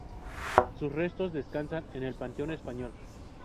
Sus restos descansan en el Panteón Español.